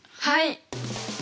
はい。